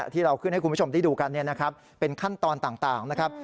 ที่เราขึ้นให้คุณผู้ชมได้ดูกันเป็นขั้นตอนต่างนะครับ